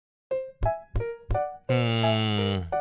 うん。